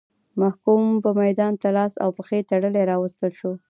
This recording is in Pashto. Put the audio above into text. محکوم به میدان ته لاس او پښې تړلی راوستل شو.